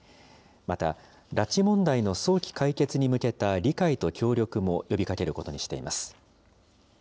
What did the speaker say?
また拉致問題の早期解決に向けた理解と協力も呼びかけることにしています。